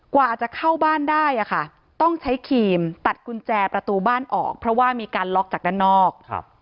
กว่าจะเข้าบ้านได้ต้องใช้ครีมตัดกุญแจประตูบ้านออกเพราะว่ามีการล็อกจากด้านนอก